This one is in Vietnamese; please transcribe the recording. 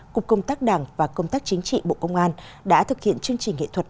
cục công tác đảng và công tác chính trị bộ công an đã thực hiện chương trình nghệ thuật